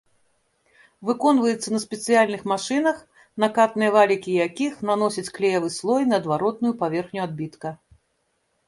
Выконваецца на спецыяльных машынах, накатныя валікі якіх наносяць клеявы слой на адваротную паверхню адбітка.